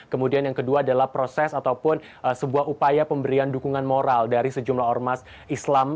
kemudian yang kedua adalah proses ataupun sebuah upaya pemberian dukungan moral dari sejumlah ormas islam